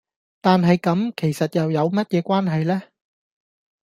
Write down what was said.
但係咁其實又有乜嘢關係呢?